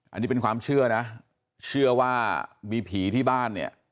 อันนี้เป็นความเชื่อนะเชื่อว่ามีผีที่บ้านเนี่ย